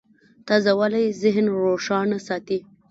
تازهوالی ذهن روښانه ساتي.